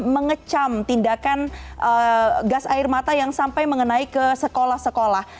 mengecam tindakan gas air mata yang sampai mengenai ke sekolah sekolah